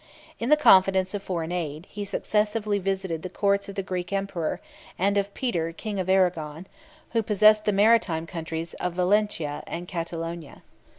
In the confidence of foreign aid, he successively visited the courts of the Greek emperor, and of Peter king of Arragon, 41 who possessed the maritime countries of Valentia and Catalonia.